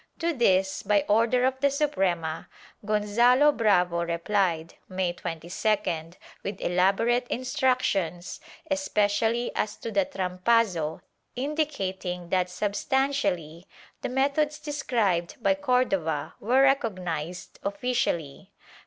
To this, by order of the Suprema, Gonzalo Bravo repUed, May 22d with elaborate instructions, especially as to the trampazo, indicating that substantially the methods described by Cordova were recognized officially.